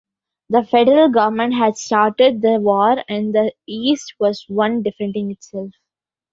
The federal government had started the war, and the East was one defending itself.